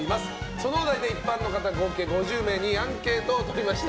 そのお題で一般の方合計５０名にアンケートを取りました。